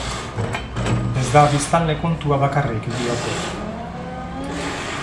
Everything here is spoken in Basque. Ez da biztanle-kontua bakarrik, diote.